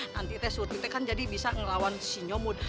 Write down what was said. nanti surti kan bisa melawan nyomud